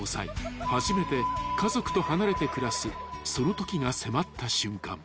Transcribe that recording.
［初めて家族と離れて暮らすそのときが迫った瞬間］